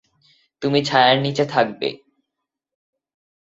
তুমি ছায়ার নিচে থাকবে।